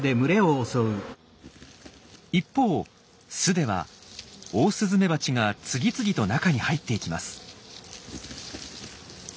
一方巣ではオオスズメバチが次々と中に入っていきます。